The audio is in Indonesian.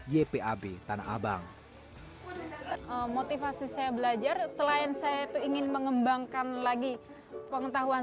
ypab tanah abang motivasi saya belajar selain saya itu ingin mengembangkan lagi pengetahuan